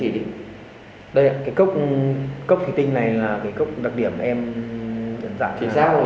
đây ạ cái cốc thủy tinh này là cái cốc đặc điểm em dẫn dạng